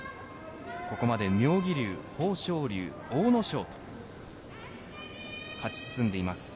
ここまで妙義龍、豊昇龍阿武咲と勝ち進んでいます。